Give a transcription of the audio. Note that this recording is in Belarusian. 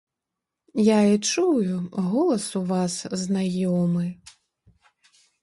Я і чую, голас у вас знаёмы!